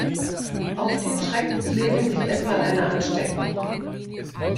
Auf den Schreck muss Levin sich erst mal eine anstecken.